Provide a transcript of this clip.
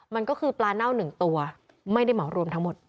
มันก็คือปลาเน่า๑ตัวไม่ได้เหมารวมทั้งหมด